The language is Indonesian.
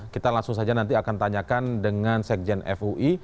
kita langsung saja nanti akan tanyakan dengan sekjen fui